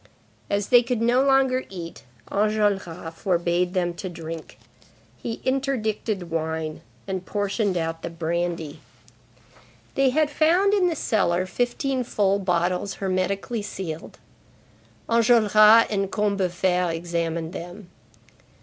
As they could no longer eat, Enjolras forbade them to drink. He interdicted wine, and portioned out the brandy. They had found in the cellar fifteen full bottles hermetically sealed. Enjolras and Combeferre examined them.